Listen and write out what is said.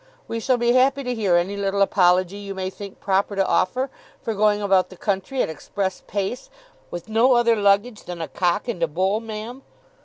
We shall be happy to hear any little apology you may think proper to offer, for going about the country at express pace, with no other luggage than a Cock and a Bull, ma'am!